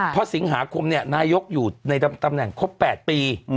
เพราะสิงหาคมนายกอยู่ในตำแหน่งครบ๘ปี